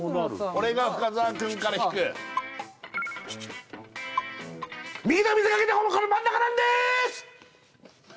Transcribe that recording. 俺が深澤くんから引く右と見せかけてこの真ん中なんでーす！